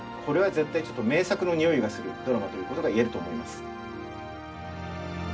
これは絶対ちょっと名作のにおいがするドラマということが言えると思います。